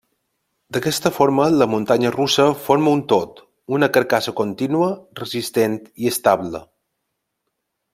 D'aquesta forma la muntanya russa forma un tot, una carcassa contínua, resistent i estable.